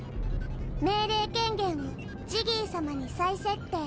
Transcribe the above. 命令権限をジギーさまに再設定。